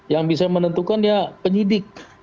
yang bisa menentukan ya penyidik